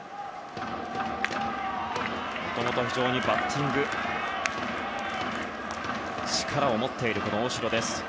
もともとバッティング力を持っている大城です。